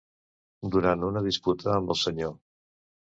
Durant una disputa amb el Sr.